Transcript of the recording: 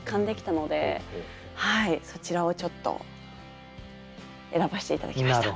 そちらをちょっと選ばせて頂きました。